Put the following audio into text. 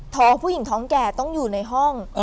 ผู้หญิงท้องแก่ต้องอยู่ในห้อง